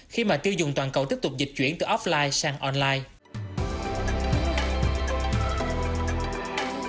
khi mà tiêu dùng toàn cầu tiếp tục dịch chuyển từ offline sang online